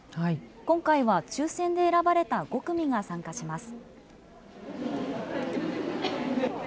今回は抽選で選ばれた５組が参加します。